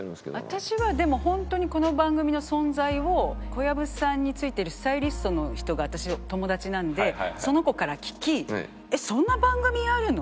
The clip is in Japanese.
私はでも本当にこの番組の存在を小籔さんに付いてるスタイリストの人が私友達なんでその子から聞き「えっそんな番組あるの？」